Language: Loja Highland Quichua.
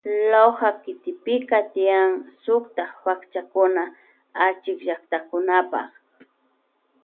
Loja kikipi tiyan sukta pakchakuna achikllaktakunapa.